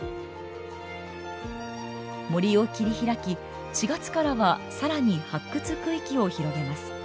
森を切り開き４月からは更に発掘区域を広げます。